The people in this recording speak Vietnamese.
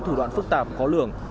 thủ đoạn phức tạp khó lường